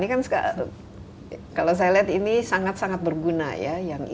ini kan kalau saya lihat ini sangat sangat berguna ya